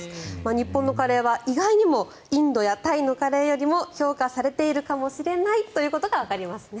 日本のカレーは意外にもインドやタイのカレーよりも評価されているかもしれないということがわかりますね。